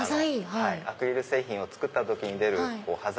アクリル製品を作った時に出る端材。